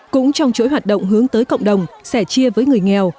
cũng trong chuỗi hoạt động hướng tới cộng đồng sẻ chia với người nghèo